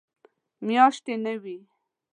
میاشتې نه وي.